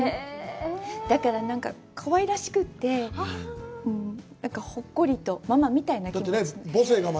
だから、かわいらしくて、なんかほっこりとママみたいな気持ちに。